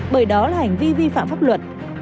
bởi đó là hành vi vi phạm pháp luật